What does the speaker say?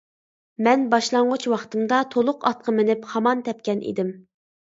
مەن باشلانغۇچ ۋاقتىمدا تۇلۇق ئاتقا مىنىپ خامان تەپكەن ئىدىم.